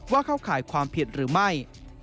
เข้าข่ายความผิดหรือไม่